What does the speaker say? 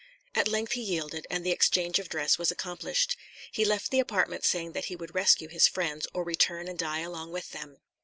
At length he yielded, and the exchange of dress was accomplished. He left the apartment saying that he would rescue his friends, or return and die along with them.